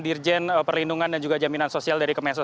dirjen perlindungan dan juga jaminan sosial dari kemensos